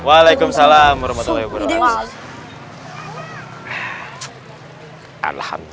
waalaikum salam roadsummen walaikumsalam warahmatullahi wabarakatuh